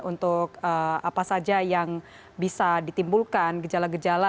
untuk apa saja yang bisa ditimbulkan gejala gejala